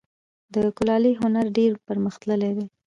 د کلالي هنر ډیر پرمختللی و